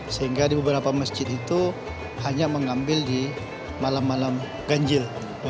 sehingga di beberapa masjid itu hanya mengambil di malam malam ganjil